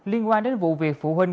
liên quan đến vụ việc phụ huynh